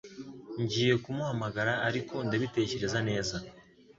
Ngiye kumuhamagara, ariko ndabitekereza neza.